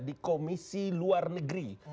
di komisi luar negeri